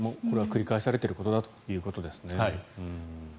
これは繰り返されていることだということですね。